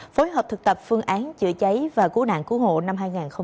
phối hợp thực tập phương án chữa cháy và cứu nạn cứu hộ năm hai nghìn hai mươi bốn